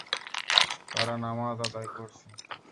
তারা নামায আদায় করছে।